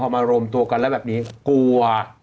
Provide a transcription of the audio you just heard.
อารมณ์ตัวกันด้วยแบบนี้กลัว